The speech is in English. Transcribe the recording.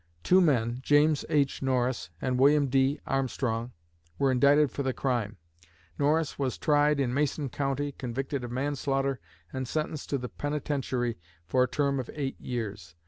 Two men, James H. Norris and William D. Armstrong, were indicted for the crime. Norris was tried in Mason County, convicted of manslaughter, and sentenced to the penitentiary for a term of eight years.